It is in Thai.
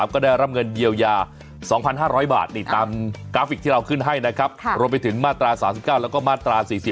กราฟิกที่เราขึ้นให้นะครับรวมไปถึงมาตรา๓๙และมาตรา๔๐